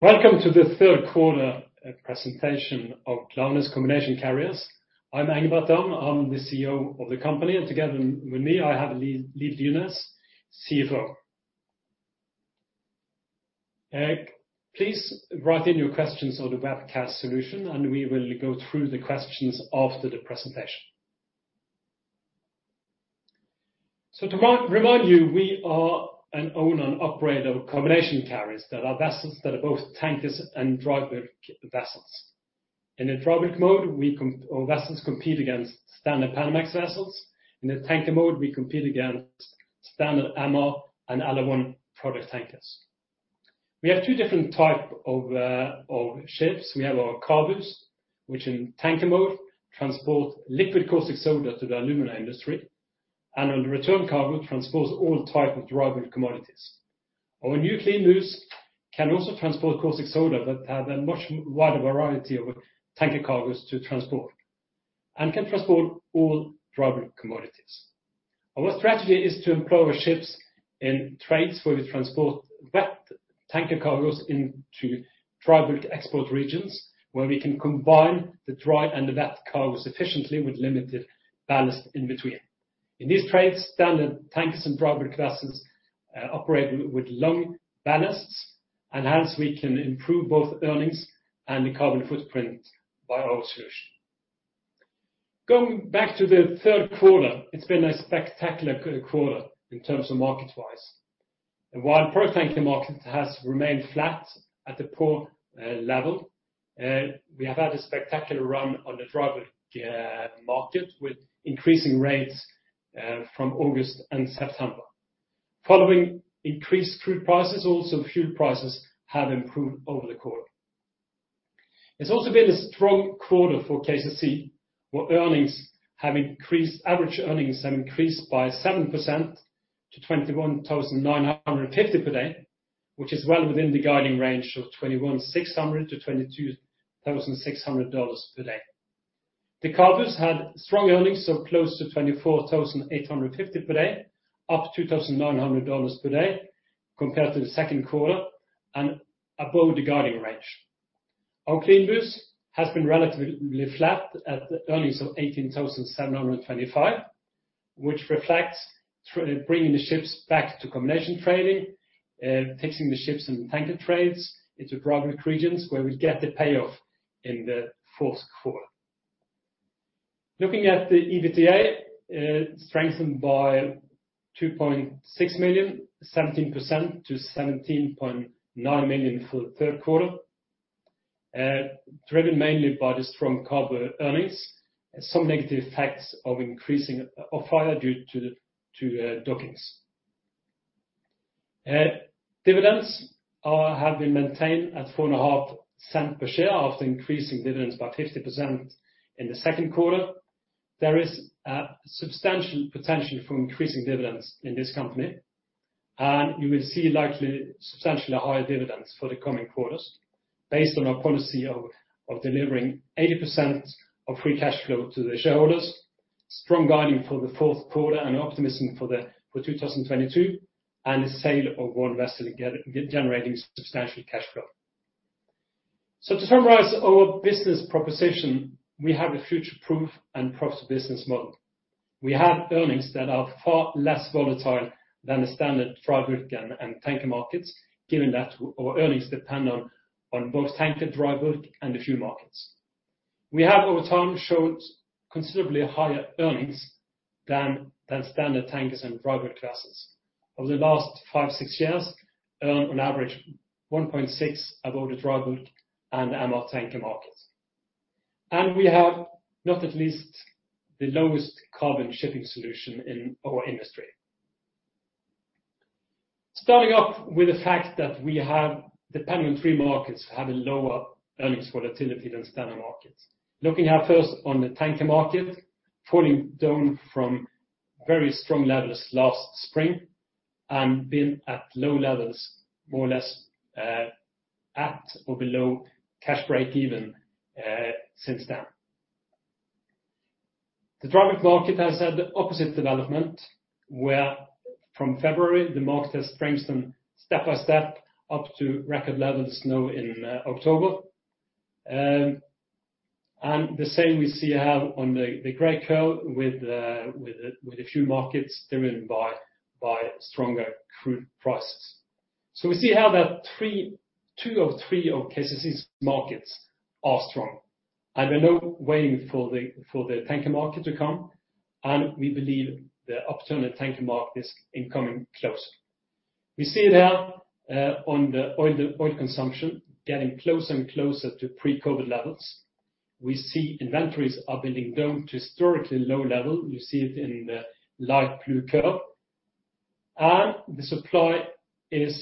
Welcome to the third quarter presentation of Klaveness Combination Carriers. I'm Engebret Dahm. I'm the CEO of the company, and together with me, I have Liv Dyrnes, CFO. Please write in your questions on the webcast solution, and we will go through the questions after the presentation. To remind you, we are an owner and operator of combination carriers that are vessels that are both tankers and dry bulk vessels. In a dry bulk mode, our vessels compete against standard Panamax vessels. In a tanker mode, we compete against standard MR and LR1 product tankers. We have two different type of ships. We have our CABUs, which in tanker mode transport liquid caustic soda to the alumina industry, and on the return cargo, transports all type of dry bulk commodities. Our new CLEANBUs can also transport caustic soda but have a much wider variety of tanker cargos to transport and can transport all dry bulk commodities. Our strategy is to employ our ships in trades where we transport wet tanker cargos into dry bulk export regions, where we can combine the dry and the wet cargos efficiently with limited ballast in between. In these trades, standard tankers and dry bulk vessels operate with long ballasts, and hence we can improve both earnings and the carbon footprint by our solution. Going back to the third quarter, it's been a spectacular good quarter in terms of market-wise. While product tanker market has remained flat at a poor level, we have had a spectacular run on the dry bulk market with increasing rates from August and September. Following increased crude prices, also fuel prices have improved over the quarter. It's also been a strong quarter for KCC, where average earnings have increased by 7% to $21,950 per day, which is well within the guiding range of $21,600-$22,600 per day. The CABUs had strong earnings of close to $24,850 per day, up $2,900 per day compared to the second quarter and above the guiding range. Our CLEANBUs has been relatively flat at the earnings of $18,725, which reflects bringing the ships back to combination trading, fixing the ships and tanker trades into dry bulk regions where we get the payoff in the fourth quarter. Looking at the EBITDA, strengthened by $2.6 million, 17% to $17.9 million for the third quarter, driven mainly by the strong cargo earnings, some negative effects of increasing OpEx due to the dockings. Dividends have been maintained at $0.045 per share after increasing dividends by 50% in the second quarter. There is substantial potential for increasing dividends in this company, and you will see likely substantially higher dividends for the coming quarters based on our policy of delivering 80% of free cash flow to the shareholders, strong guiding for the fourth quarter and optimism for 2022, and the sale of one vessel generating substantial cash flow. To summarize our business proposition, we have a future-proof and prosperous business model. We have earnings that are far less volatile than the standard dry bulk and tanker markets, given that our earnings depend on both tanker, dry bulk, and the fuel markets. We have over time showed considerably higher earnings than standard tankers and dry bulk classes. Over the last five to six years, earned on average 1.6 above the dry bulk and MR tanker market. We have, not least, the lowest carbon shipping solution in our industry. Starting off with the fact that we have, depending on three markets, have a lower earnings volatility than standard markets. Looking first at the tanker market, falling down from very strong levels last spring and been at low levels more or less at or below cash break even since then. The dry bulk market has had the opposite development, where from February the market has strengthened step by step up to record levels now in October. The same we see we have on the gray curve with the fuel markets driven by stronger crude prices. We see how two of three of KCC's markets are strong. We are now waiting for the tanker market to come, and we believe the opportunity in the tanker market is coming close. We see it now on the oil consumption getting closer and closer to pre-COVID levels. We see inventories are drawing down to historically low level. You see it in the light blue curve. The supply with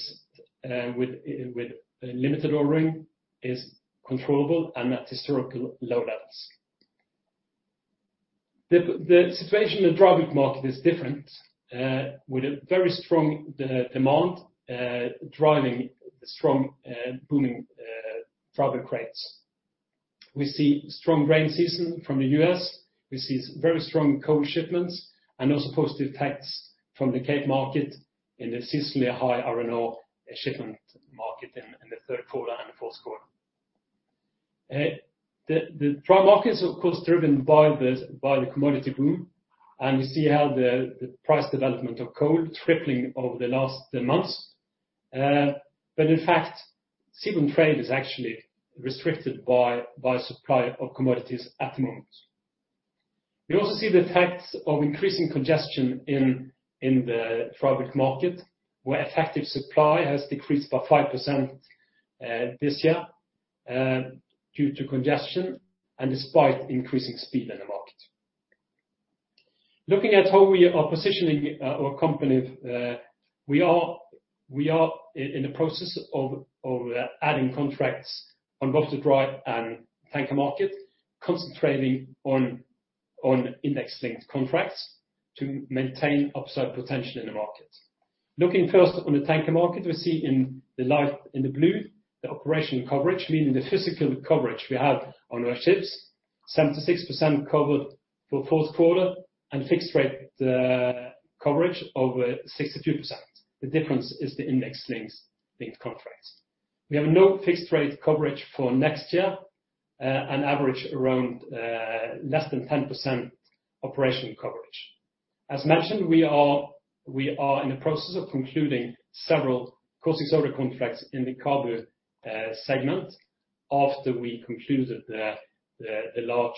limited ordering is controllable and at historical low levels. The situation in the dry bulk market is different with a very strong demand driving strong booming dry bulk rates. We see strong grain season from the U.S. We see very strong coal shipments and those positive effects from the cap market in the seasonally high iron ore shipment market in the third quarter and the fourth quarter. The dry market is of course driven by the commodity boom, and we see how the price development of coal tripling over the last months. In fact, seaborne trade is actually restricted by supply of commodities at the moment. We also see the effects of increasing congestion in the dry bulk market, where effective supply has decreased by 5% this year due to congestion and despite increasing speed in the market. Looking at how we are positioning our company, we are in the process of adding contracts on both the dry and tanker market, concentrating on index linked contracts to maintain upside potential in the market. Looking first on the tanker market, we see in the light blue the operational coverage, meaning the physical coverage we have on our ships, 76% covered for fourth quarter and fixed rate coverage of 62%. The difference is the index linked contracts. We have no fixed rate coverage for next year, an average around less than 10% operational coverage. As mentioned, we are in the process of concluding several caustic soda contracts in the cargo segment after we concluded the large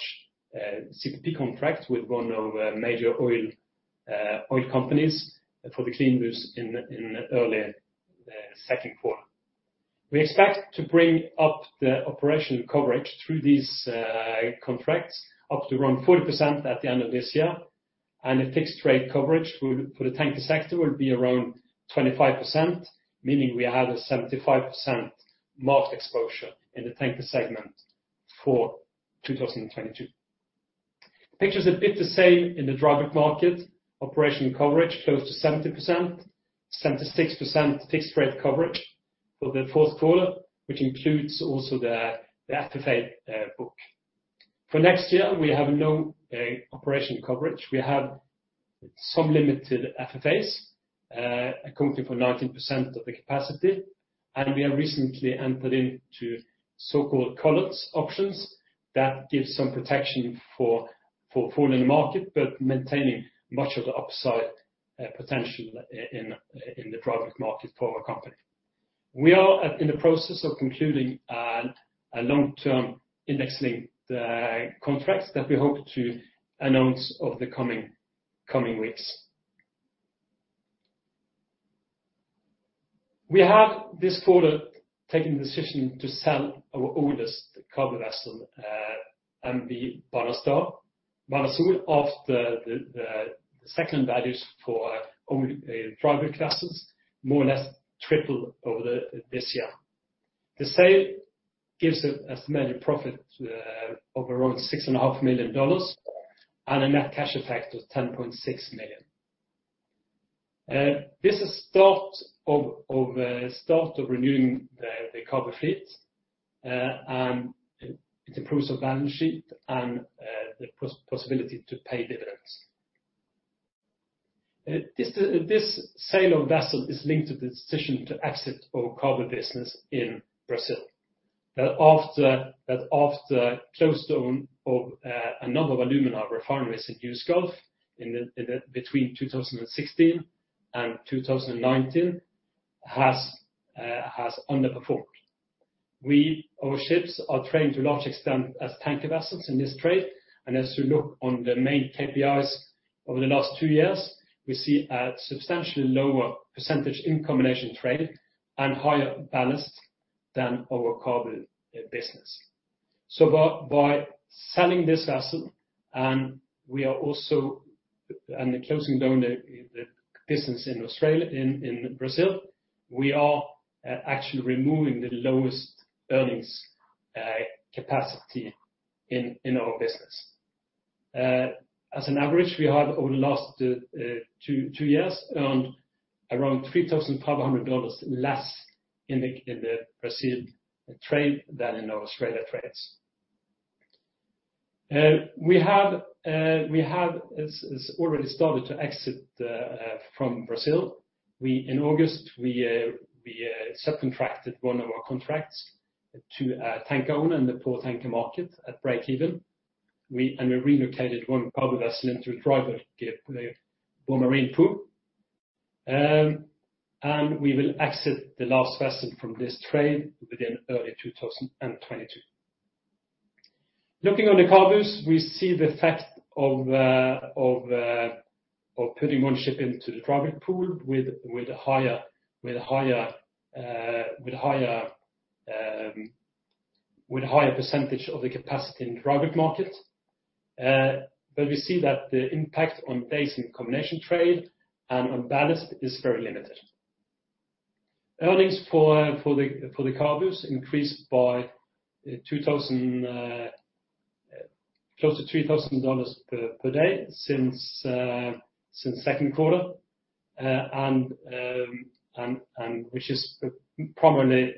CPP contract with one of the major oil companies for the CLEANBU in early second quarter. We expect to bring up the operational coverage through these contracts up to around 40% at the end of this year, and the fixed rate coverage for the tanker sector will be around 25%, meaning we have a 75% market exposure in the tanker segment for 2022. Picture's a bit the same in the dry bulk market. Operational coverage close to 70%. 76% fixed rate coverage for the fourth quarter, which includes also the FFA book. For next year, we have no operational coverage. We have some limited FFAs, accounting for 19% of the capacity, and we have recently entered into so-called collars options that gives some protection for falling market, but maintaining much of the upside potential in the dry bulk market for our company. We are in the process of concluding a long-term index-linked contracts that we hope to announce over the coming weeks. We have this quarter taken the decision to sell our oldest cargo vessel, MV Banasol. The asset values for our own private vessels more or less tripled over this year. The sale gives an estimated profit of around $6.5 million and a net cash effect of $10.6 million. This is start of renewing the cargo fleet, and it improves our balance sheet and the possibility to pay dividends. This sale of vessel is linked to the decision to exit our cargo business in Brazil. After closure of a number of alumina refineries in East Gulf between 2016 and 2019 has underperformed. Our ships are traded to a large extent as tanker vessels in this trade. As you look at the main KPIs over the last two years, we see a substantially lower percentage in combination trade and higher ballast than our cargo business. By selling this vessel and closing down the business in Brazil, we are actually removing the lowest earnings capacity in our business. As an average, we have over the last two years earned around $3,500 less in the Brazil trade than in our Australia trades. We have already started to exit from Brazil. In August, we subcontracted one of our contracts to a tanker owner in the poor tanker market at breakeven. We relocated one cargo vessel into the dry bulk, the Baumarine pool. We will exit the last vessel from this trade within early 2022. Looking at the CABUs, we see the effect of putting one ship into the dry bulk pool with higher percentage of the capacity in dry bulk market. We see that the impact on days in combination trade and on ballast is very limited. Earnings for the CABUs increased by $2,000 close to $3,000 per day since second quarter, and which is primarily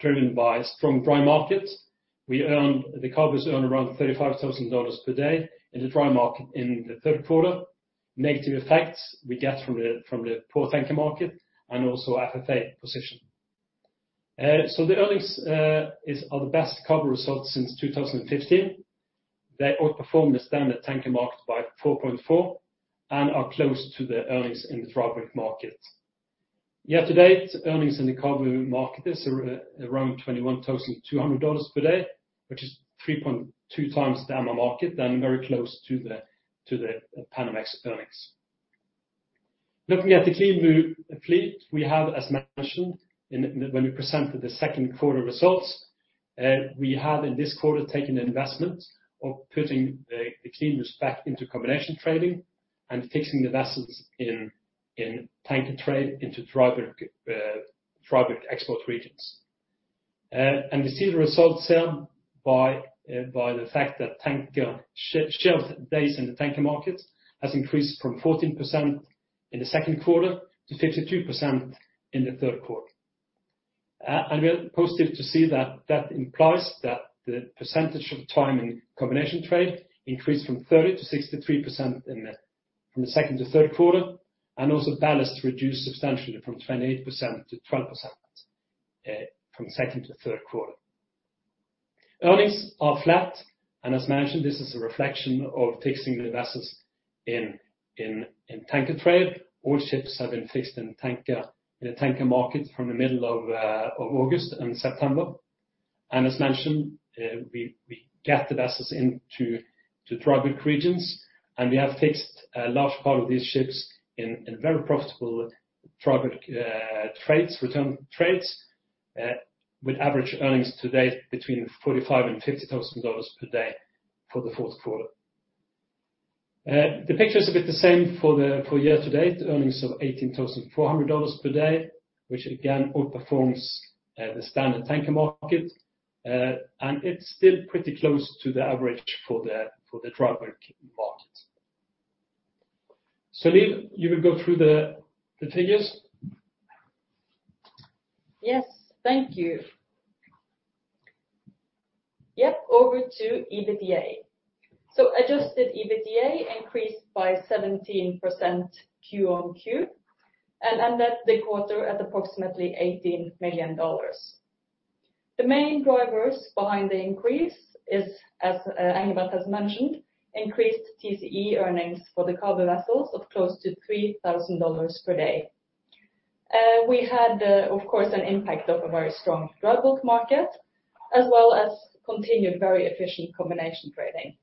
driven by strong dry markets. The CABUs earned around $35,000 per day in the dry market in the third quarter. We get negative effects from the poor tanker market and also FFA position. So the earnings are the best CABU results since 2015. They outperformed the standard tanker market by 4.4 and are close to the earnings in the dry bulk market. year-to-date, earnings in the cargo market is around $21,200 per day, which is 3.2x the MR market and very close to the Panamax earnings. Looking at the CLEANBU fleet, we have, as mentioned, when we presented the second quarter results, we have in this quarter taken an investment of putting the CLEANBUs back into combination trading and fixing the vessels in tanker trade into dry bulk export regions. We see the results hereby by the fact that tanker ships based in the tanker markets has increased from 14% in the second quarter to 52% in the third quarter. We are positive to see that that implies that the percentage of time in combination trade increased from 30% to 63% from the second to third quarter, and also ballasts reduced substantially from 28% to 12% from second to third quarter. Earnings are flat, and as mentioned, this is a reflection of fixing the vessels in tanker trade. All ships have been fixed in the tanker market from the middle of August and September. As mentioned, we get the vessels into dry bulk regions, and we have fixed a large part of these ships in very profitable dry bulk trades, return trades, with average earnings to date between $45,000 and $50,000 per day for the fourth quarter. The picture is a bit the same for year-to-date, earnings of $18,400 per day, which again outperforms the standard tanker market. It's still pretty close to the average for the dry bulk market. Liv, you will go through the figures. Yes. Thank you. Yep, over to EBITDA. Adjusted EBITDA increased by 17% Q-on-Q and ended the quarter at approximately $18 million. The main drivers behind the increase is, as Engebret has mentioned, increased TCE earnings for the cargo vessels of close to $3,000 per day. We had, of course, an impact of a very strong dry bulk market, as well as continued very efficient combination trading.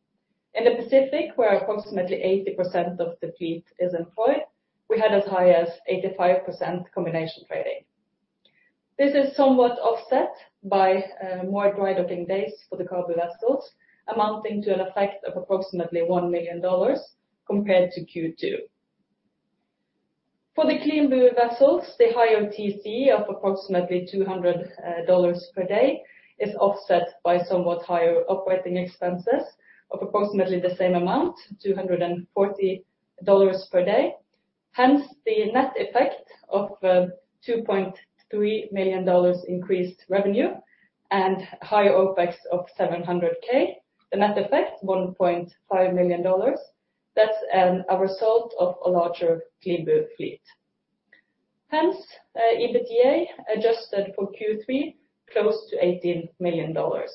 In the Pacific, where approximately 80% of the fleet is employed, we had as high as 85% combination trading. This is somewhat offset by more dry-docking days for the cargo vessels, amounting to an effect of approximately $1 million compared to Q2. For the CLEANBU vessels, the higher TCE of approximately $200 per day is offset by somewhat higher operating expenses of approximately the same amount, $240 per day. Hence, the net effect of $2.3 million increased revenue and higher OpEx of $700,000. The net effect, $1.5 million. That's a result of a larger CLEANBU fleet. Hence, EBITDA adjusted for Q3 close to $18 million. Total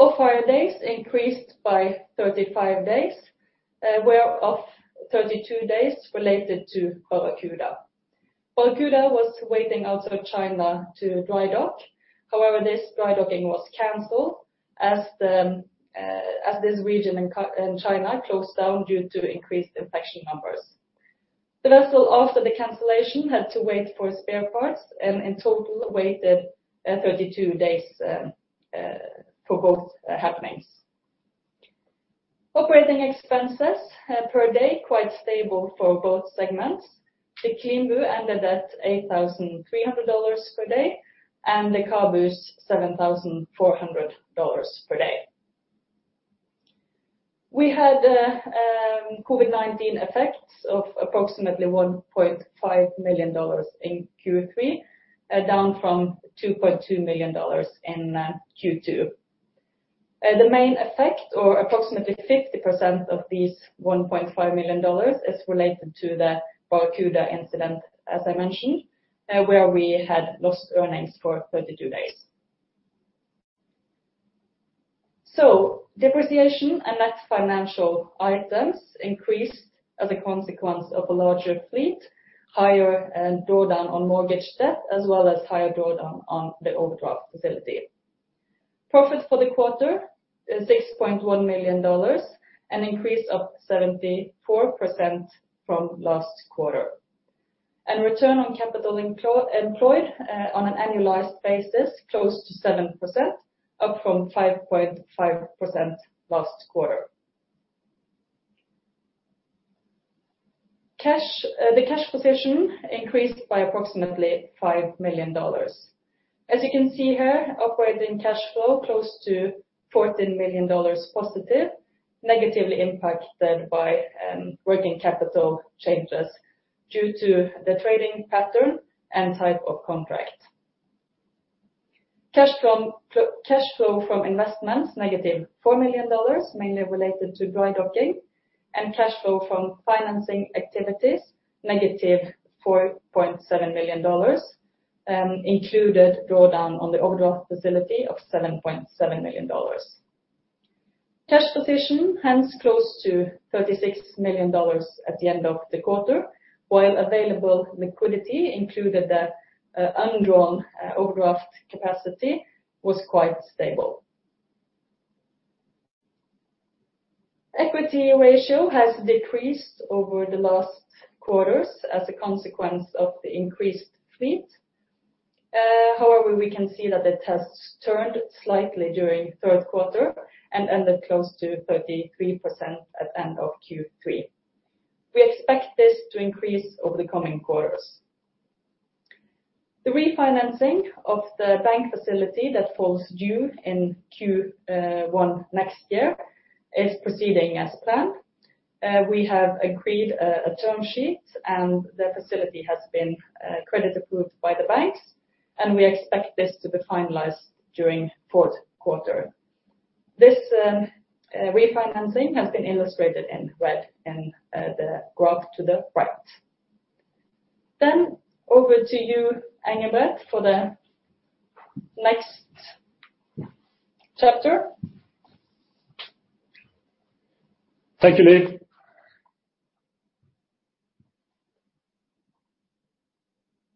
off-hire days increased by 35 days, whereof 32 days related to Barracuda. Barracuda was waiting off China to dry dock. However, this dry docking was canceled as this region in China closed down due to increased infection numbers. The vessel, after the cancellation, had to wait for spare parts, and in total waited 32 days for both happenings. Operating expenses per day, quite stable for both segments. The CLEANBU ended at $8,300 per day and the CABUs $7,400 per day. We had COVID-19 effects of approximately $1.5 million in Q3, down from $2.2 million in Q2. The main effect, or approximately 50% of these $1.5 million, is related to the Barracuda incident, as I mentioned, where we had lost earnings for 32 days. Depreciation and net financial items increased as a consequence of a larger fleet, higher drawdown on mortgage debt, as well as higher drawdown on the overdraft facility. Profit for the quarter is $6.1 million, an increase of 74% from last quarter. Return on capital employed, on an annualized basis, close to 7%, up from 5.5% last quarter. The cash position increased by approximately $5 million. As you can see here, operating cash flow close to $14 million+, negatively impacted by working capital changes due to the trading pattern and type of contract. Cash flow from investments -$4 million, mainly related to dry docking and cash flow from financing activities -$4.7 million, included drawdown on the overdraft facility of $7.7 million. Cash position hence close to $36 million at the end of the quarter, while available liquidity included the undrawn overdraft capacity was quite stable. Equity ratio has decreased over the last quarters as a consequence of the increased fleet. However, we can see that the trends turned slightly during third quarter and ended close to 33% at end of Q3. We expect this to increase over the coming quarters. The refinancing of the bank facility that falls due in Q1 next year is proceeding as planned. We have agreed a term sheet, and the facility has been credit approved by the banks, and we expect this to be finalized during fourth quarter. This refinancing has been illustrated in red in the graph to the right. Over to you, Engebret, for the next chapter. Thank you, Liv.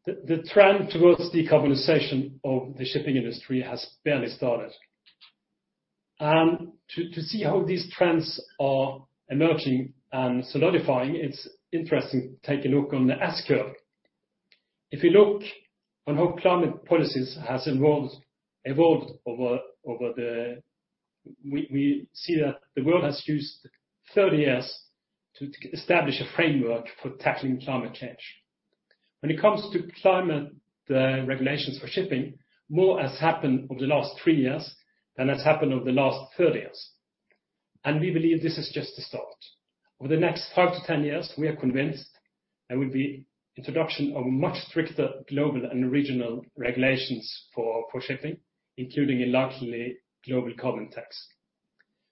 The trend towards decarbonization of the shipping industry has barely started. To see how these trends are emerging and solidifying, it's interesting to take a look on the S-curve. If you look on how climate policies has evolved over the. We see that the world has used 30 years to establish a framework for tackling climate change. When it comes to climate, the regulations for shipping, more has happened over the last three years than has happened over the last 30 years, and we believe this is just the start. Over the next five to 10 years, we are convinced there will be introduction of much stricter global and regional regulations for shipping, including a largely global carbon tax.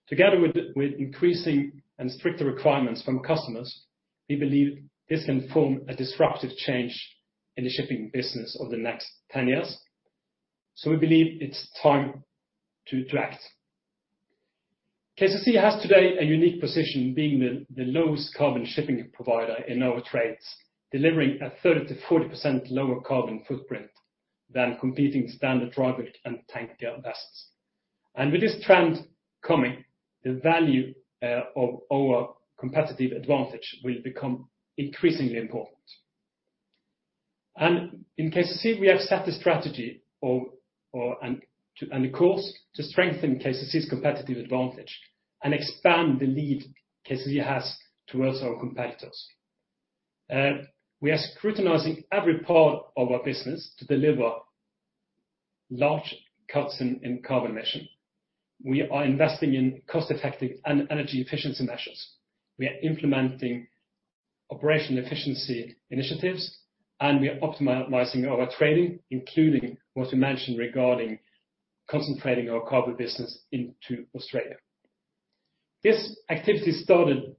Together with increasing and stricter requirements from customers, we believe this can form a disruptive change in the shipping business over the next 10 years. We believe it's time to act. KCC has today a unique position being the lowest carbon shipping provider in our trades, delivering a 30%-40% lower carbon footprint than competing standard product and tanker vessels. With this trend coming, the value of our competitive advantage will become increasingly important. In KCC, we have set a strategy and a course to strengthen KCC's competitive advantage and expand the lead KCC has towards our competitors. We are scrutinizing every part of our business to deliver large cuts in carbon emission. We are investing in cost-effective and energy efficiency measures. We are implementing operational efficiency initiatives, and we are optimizing our trading, including what we mentioned regarding concentrating our cargo business into Australia. This activity started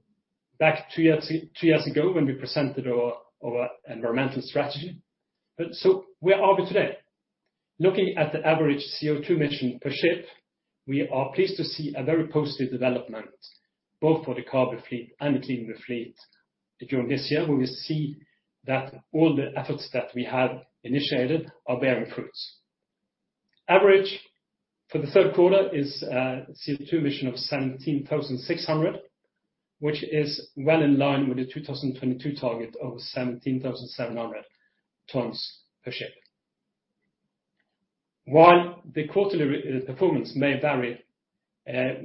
back two years ago when we presented our environmental strategy. Where are we today? Looking at the average CO2 emission per ship, we are pleased to see a very positive development both for the cargo fleet and the CLEANBU fleet. During this year, we will see that all the efforts that we have initiated are bearing fruits. Average for the third quarter is CO2 emission of 17,600, which is well in line with the 2022 target of 17,700 tons per ship. While the quarterly performance may vary,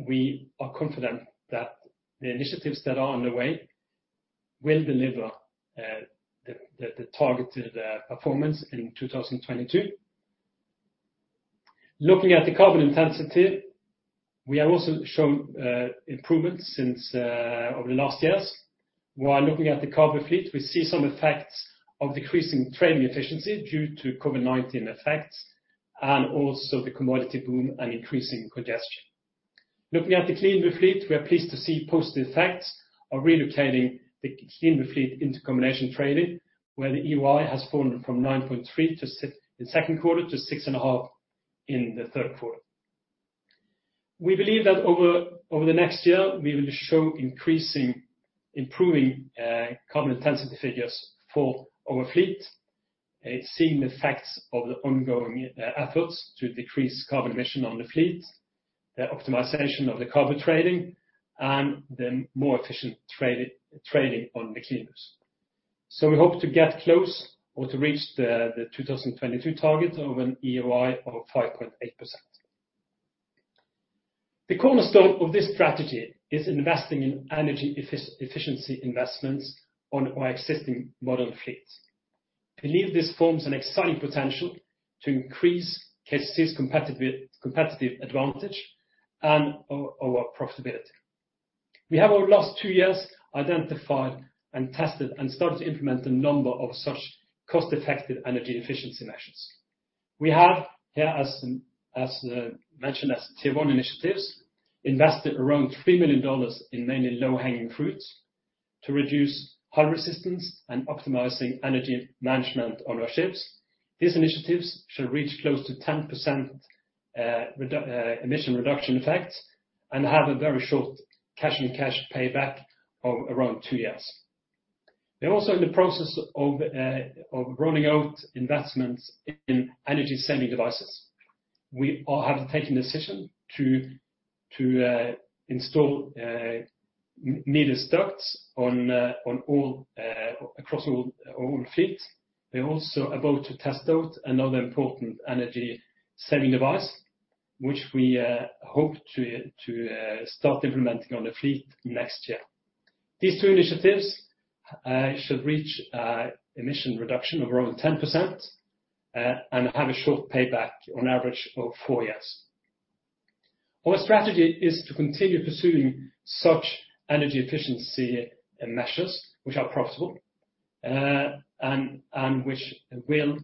we are confident that the initiatives that are on the way will deliver the targeted performance in 2022. Looking at the carbon intensity, we have also shown improvements over the last years. While looking at the cargo fleet, we see some effects of decreasing trading efficiency due to COVID-19 effects and also the commodity boom and increasing congestion. Looking at the CLEANBU fleet, we are pleased to see positive effects of relocating the CLEANBU fleet into combination trading, where the EOI has fallen from 9.3 in second quarter to 6.5 in the third quarter. We believe that over the next year, we will show improving carbon intensity figures for our fleet. It's seeing the effects of the ongoing efforts to decrease carbon emission on the fleet, the optimization of the cargo trading and the more efficient trading on the CLEANBUs. We hope to get close or to reach the 2022 target of an EOI of 5.8%. The cornerstone of this strategy is investing in energy efficiency investments on our existing modern fleet. We believe this forms an exciting potential to increase KCC's competitive advantage and our profitability. We have over the last two years identified and tested and started to implement a number of such cost-effective energy efficiency measures. We have here, as mentioned as Tier 1 initiatives, invested around $3 million in mainly low-hanging fruits to reduce hull resistance and optimizing energy management on our ships. These initiatives should reach close to 10% emission reduction effect and have a very short cash-on-cash payback of around two years. We're also in the process of rolling out investments in energy-saving devices. We have taken decision to install Mewis Ducts on all fleets. We're also about to test out another important energy-saving device, which we hope to start implementing on the fleet next year. These two initiatives should reach emission reduction of around 10% and have a short payback on average of four years. Our strategy is to continue pursuing such energy efficiency measures which are profitable and which will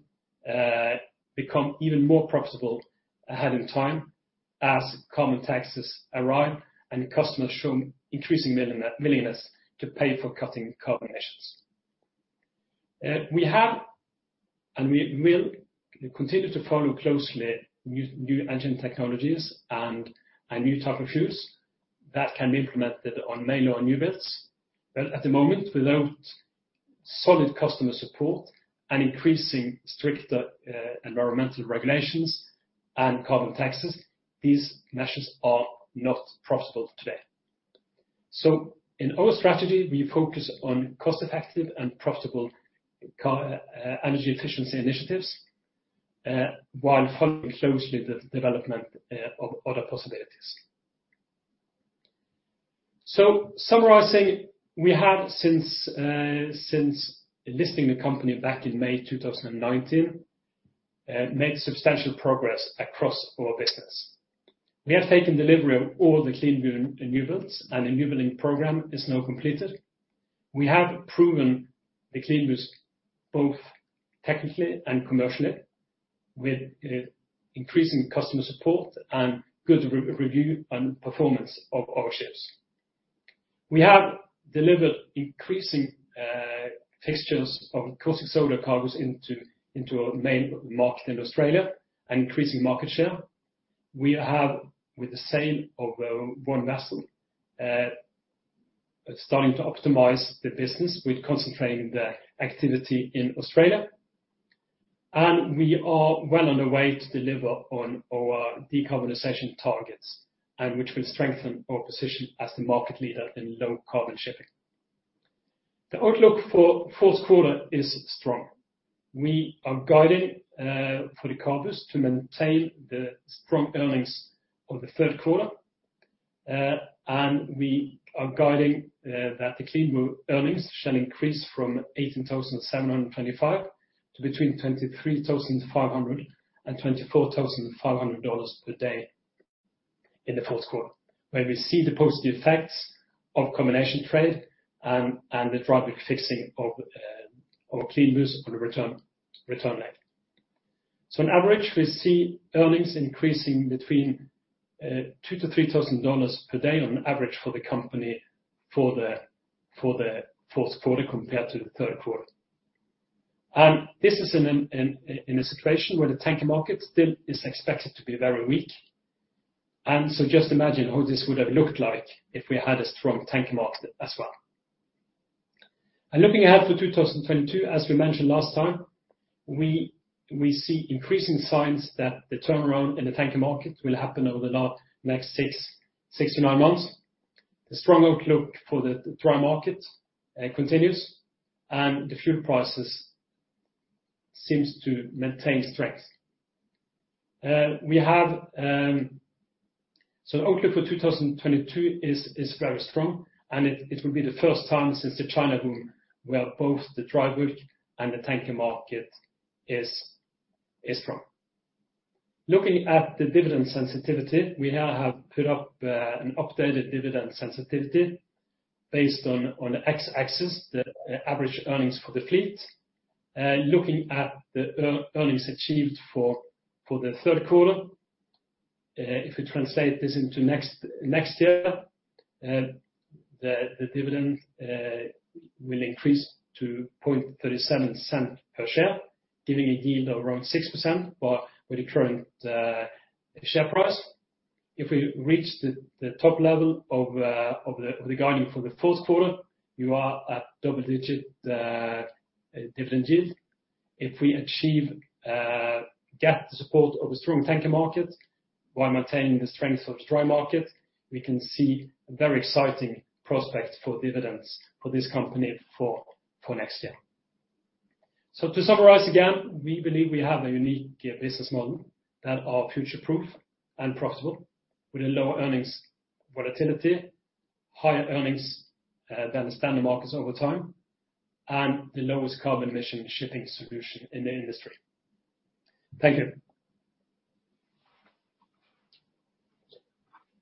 become even more profitable ahead in time as carbon taxes arrive and customers show increasing willingness to pay for cutting carbon emissions. We have and we will continue to follow closely new engine technologies and new type of fuels that can be implemented on new builds. At the moment, without solid customer support and increasingly stricter environmental regulations and carbon taxes, these measures are not profitable today. In our strategy, we focus on cost-effective and profitable energy efficiency initiatives while following closely the development of other possibilities. Summarizing, we have since listing the company back in May 2019 made substantial progress across our business. We have taken delivery of all the CLEANBU newbuilds and the newbuilding program is now completed. We have proven the CLEANBUs both technically and commercially with increasing customer support and good rating and performance of our ships. We have delivered increasing fixtures of caustic soda cargoes into our main market in Australia and increasing market share. We have, with the sale of one vessel, starting to optimize the business with concentrating the activity in Australia. We are well on the way to deliver on our decarbonization targets and which will strengthen our position as the market leader in low carbon shipping. The outlook for fourth quarter is strong. We are guiding for the cargoes to maintain the strong earnings of the third quarter. We are guiding that the clean earnings shall increase from $18,725 to between $23,500 and $24,500 per day in the fourth quarter, where we see the positive effects of combination trade and the dry bulk fixing of CLEANBUs for the return leg. On average, we see earnings increasing between $2,000-$3,000 per day on average for the company for the fourth quarter compared to the third quarter. This is in a situation where the tanker market still is expected to be very weak. Just imagine how this would have looked like if we had a strong tanker market as well. Looking ahead for 2022, as we mentioned last time, we see increasing signs that the turnaround in the tanker market will happen over the next six to nine months. The strong outlook for the dry market continues, and the fuel prices seems to maintain strength. The outlook for 2022 is very strong, and it will be the first time since the China boom, where both the dry bulk and the tanker market is strong. Looking at the dividend sensitivity, we now have put up an updated dividend sensitivity based on the x-axis, the average earnings for the fleet. Looking at the earnings achieved for the third quarter, if we translate this into next year, the dividend will increase to $0.37 per share, giving a yield of around 6% by the current share price. If we reach the top level of the guidance for the fourth quarter, you are at double-digit dividend yield. If we achieve gap support of a strong tanker market while maintaining the strength of the dry market, we can see a very exciting prospect for dividends for this company for next year. To summarize again, we believe we have a unique business model that are future proof and profitable with a lower earnings volatility, higher earnings than the standard markets over time, and the lowest carbon emission shipping solution in the industry. Thank you.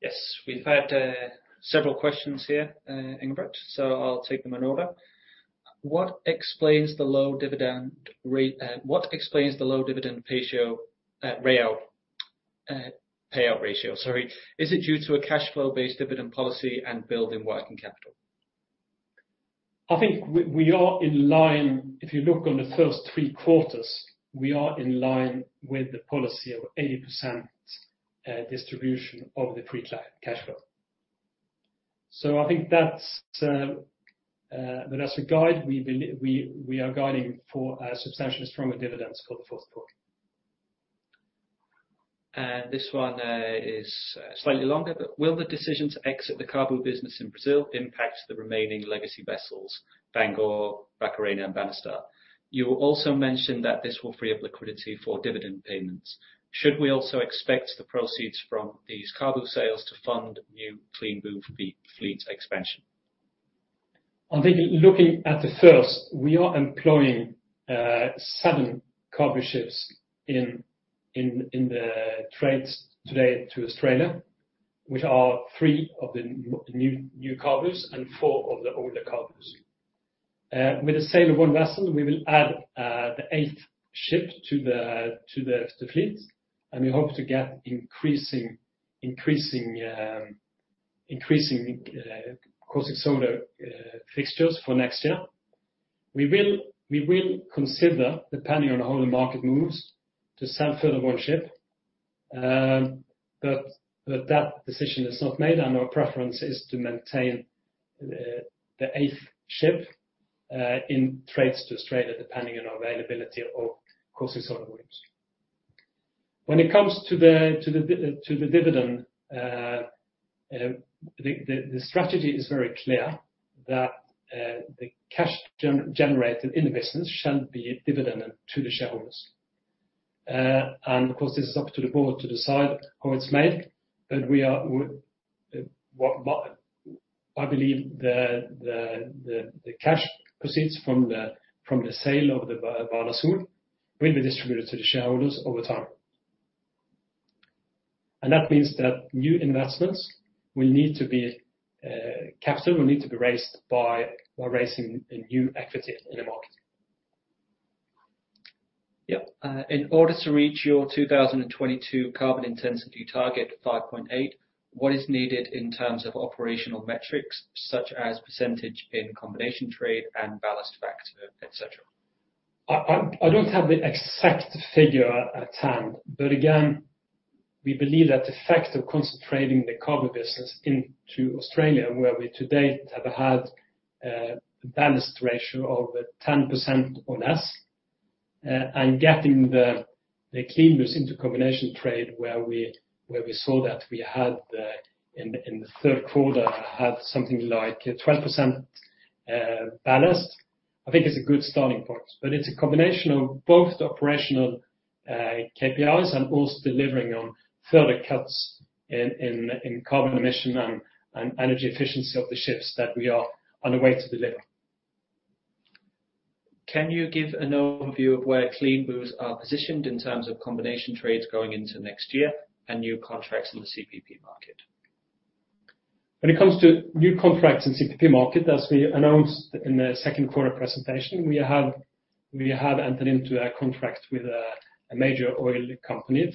Yes. We've had several questions here, Engebret, so I'll take them in order. What explains the low dividend payout ratio, sorry? Is it due to a cash flow based dividend policy and build in working capital? I think we are in line. If you look on the first three quarters, we are in line with the policy of 80% distribution of the free cash flow. I think that's but as a guide, we are guiding for a substantially stronger dividends for the fourth quarter. This one is slightly longer, but will the decision to exit the CABU business in Brazil impact the remaining legacy vessels, Bangor, Barcarena, and Banastar? You also mentioned that this will free up liquidity for dividend payments. Should we also expect the proceeds from these CABU sales to fund new CLEANBU fleet expansion? I think looking at the first, we are employing seven CABU ships in the trades today to Australia, which are three of the new CABUs and four of the older CABUs. With the sale of one vessel, we will add the eighth ship to the fleet, and we hope to get increasing caustic soda fixtures for next year. We will consider, depending on how the market moves, to sell further one ship, but that decision is not made and our preference is to maintain the eighth ship in trades to Australia, depending on availability of caustic soda cargoes. When it comes to the dividend, the strategy is very clear that the cash generated in the business shall be dividend to the shareholders. Of course, this is up to the board to decide how it's made, but what I believe the cash proceeds from the sale of the Banasol will be distributed to the shareholders over time. That means that new investments will need to be capital will need to be raised by raising new equity in the market. Yep. In order to reach your 2022 carbon intensity target of 5.8, what is needed in terms of operational metrics such as percentage in combination trade and ballast factor, et cetera? I don't have the exact figure at hand. Again, we believe that the fact of concentrating the CABU business into Australia, where we today have had a ballast ratio of 10% or less, and getting the CLEANBU into combination trade where we saw that we had in the third quarter something like 12% ballast, I think is a good starting point. It's a combination of both the operational KPIs and also delivering on further cuts in carbon emission and energy efficiency of the ships that we are on the way to deliver. Can you give an overview of where CLEANBUs are positioned in terms of combination trades going into next year and new contracts in the CPP market? When it comes to new contracts in CPP market, as we announced in the second quarter presentation, we have entered into a contract with a major oil company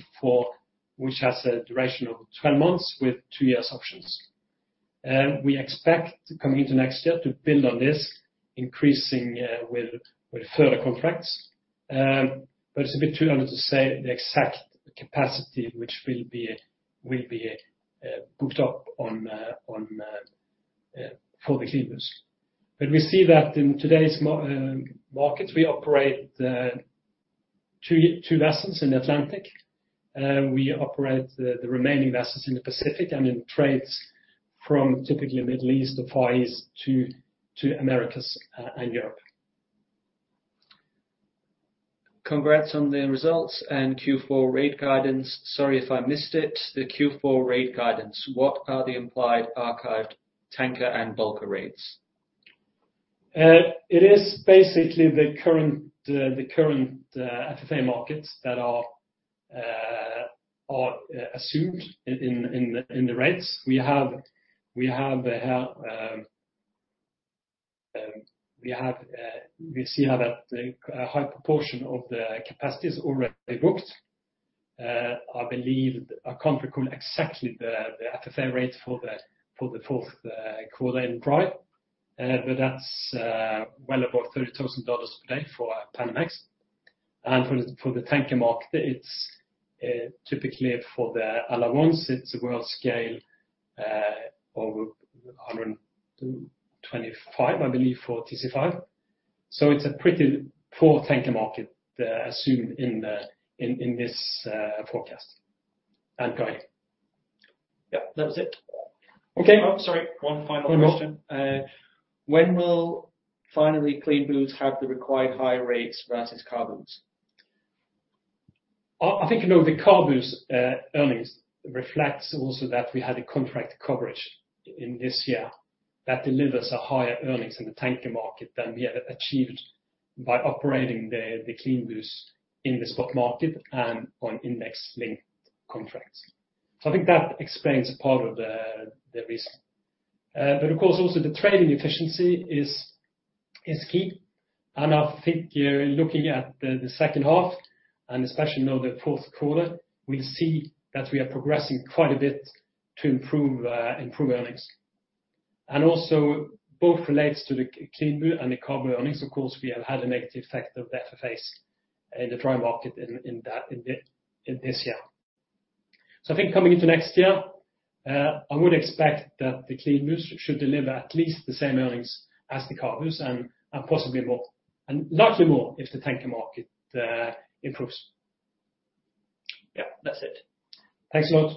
which has a duration of 12 months with two years options. We expect coming into next year to build on this, increasing with further contracts. But it's a bit too early to say the exact capacity which will be booked up for the CLEANBUs. But we see that in today's markets, we operate two vessels in Atlantic. We operate the remaining vessels in the Pacific and in trades from typically Middle East, the Far East to Americas and Europe. Congrats on the results and Q4 rate guidance. Sorry if I missed it. The Q4 rate guidance, what are the implied achieved tanker and bulker rates? It is basically the current FFA markets that are assumed in the rates. We see now that a high proportion of the capacity is already booked. I believe I can't recall exactly the FFA rate for the fourth quarter in price. That's well above $30,000 per day for Panamax. For the tanker market, it's typically for the allowance, it's a Worldscale of 125, I believe, for TC5. It's a pretty poor tanker market assumed in this forecast and guide. Yeah, that was it. Okay. Oh, sorry. One final question. One more. When will finally CLEANBUs have the required high rates versus CABUs? I think, you know, the CABUs earnings reflects also that we had a contract coverage in this year that delivers a higher earnings in the tanker market than we have achieved by operating the CLEANBUs in the stock market and on index-linked contracts. So I think that explains part of the reason. Of course, also the trading efficiency is key. I think you're looking at the second half, and especially now the fourth quarter, we see that we are progressing quite a bit to improve earnings. Also both relates to the CLEANBU and the CABU earnings. Of course, we have had a negative effect of the FFAs in the dry market in this year. I think coming into next year, I would expect that the CLEANBUs should deliver at least the same earnings as the CABUs and possibly more, and likely more if the tanker market improves. Yeah, that's it. Thanks a lot.